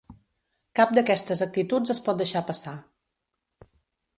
Cap d’aquestes actituds es pot deixar passar.